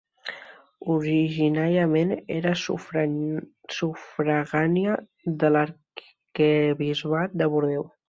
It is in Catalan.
Originàriament era sufragània de l'arquebisbat de Bordeus.